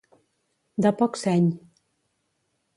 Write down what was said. De poc seny.